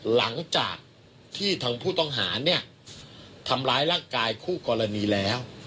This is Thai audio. หลังจากที่ทางผู้ต้องหาเนี่ยทำร้ายร่างกายคู่กรณีแล้ว